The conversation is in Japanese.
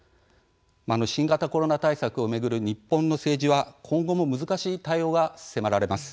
新型コロナ対策を巡る日本の政治は今後も難しい対応が迫られます。